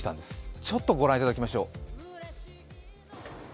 ちょっとご覧いただきましょう。